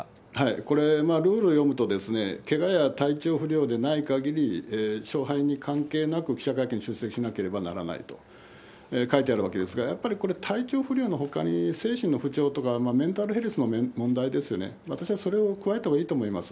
これ、ルールを読むと、けがや体調不良でないかぎり、勝敗に関係なく記者会見に出席しなければならないと書いてあるわけですが、やっぱりこれ、体調不良のほかに精神の不調とか、メンタルヘルスの問題ですよね、私はそれを加えたほうがいいと思います。